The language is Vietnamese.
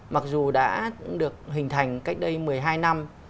mặc dù đã được hình thành cách đây một mươi hai năm